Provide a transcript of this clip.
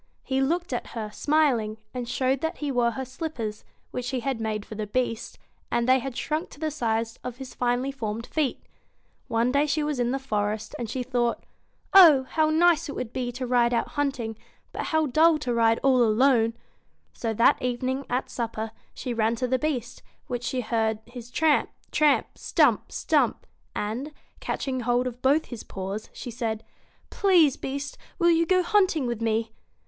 He looked at her, smiling, and showed that he wore her slippers which she had made for the Beast and they had shrunk to the size of his finely formed feet. One day she was in the forest, and she thought : 4 Oh ! how nice it would be to ride out hunting, but how dull to ride all alone !' So that evening at supper, she ran to the Beast, when she heard his tramp, tramp ! stump, stump ! and, catching hold of both his paws, she said :* Please, Beast ! will you go hunting with me